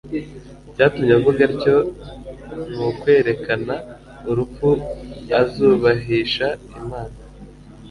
Icyatumye avuga atyo ni ukwerekana urupfu azubahisha Imana."